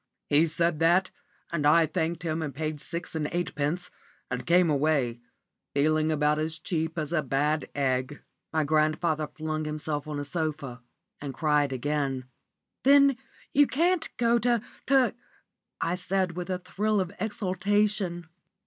He said that, and I thanked him and paid six and eightpence, and came away, feeling about as cheap as a bad egg." My grandfather flung himself on a sofa, and cried again. "Then you can't go to to !" I said, with a thrill of exultation.